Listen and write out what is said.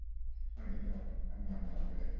অনেকদিন পর আপনি আপনার রানীকে দেখছেন!